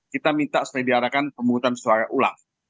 kita minta supaya diadakan pemungutan suara ulang